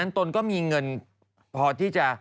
ตนก็มีเงินพอที่จะ